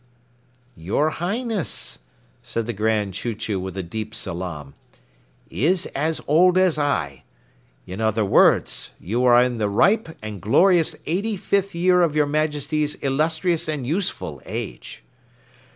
"Your Highness," said the Grand Chew Chew with a deep salaam, "is as old as I. In other words, you are in the ripe and glorious eighty fifth year of your Majesty's illustrious and useful age."